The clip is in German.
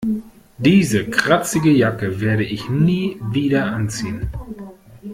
Diese kratzige Jacke werde ich nie wieder anziehen.